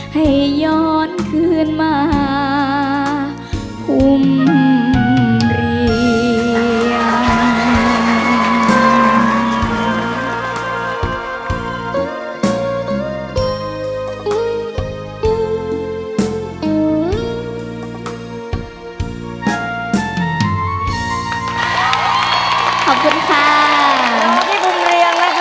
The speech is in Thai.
ให้ย้อนคืนมาคุมเรียน